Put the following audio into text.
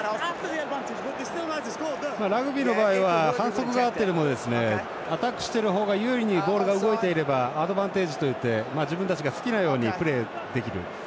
ラグビーの場合は反則があってもアタックしてる方が有利にボールが動いていればアドバンテージといって自分たちが好きなようにプレーできる。